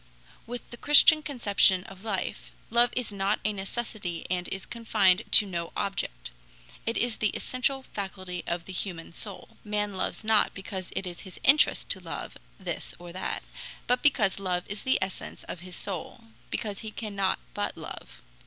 With the Christian conception of life, love is not a necessity and is confined to no object; it is the essential faculty of the human soul. Man loves not because it is his interest to love this or that, but because love is the essence of his soul, because he cannot but love.